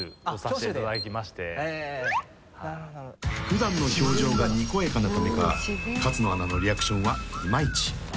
［普段の表情がにこやかなためか勝野アナのリアクションはいまいち］